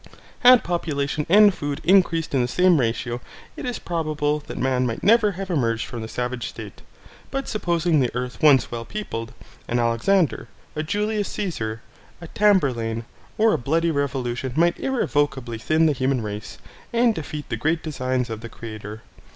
Had population and food increased in the same ratio, it is probable that man might never have emerged from the savage state. But supposing the earth once well peopled, an Alexander, a Julius Caesar, a Tamberlane, or a bloody revolution might irrecoverably thin the human race, and defeat the great designs of the Creator.